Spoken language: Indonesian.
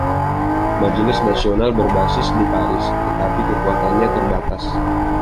Majelis Nasional berbasis di Paris, tetapi kekuatannya terbatas.